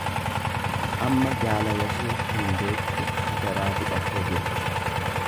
Amma jaalala ishee hin beektu, adaraa du'a koo jetti.